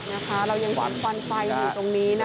เรายังมีควันฟันไฟอยู่ตรงนี้นะคะ